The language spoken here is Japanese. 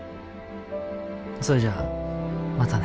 それじゃあまたね。